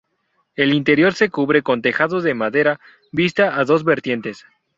El interior se cubre con tejado de madera vista a dos vertientes.